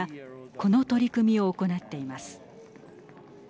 この取り組みを行っています。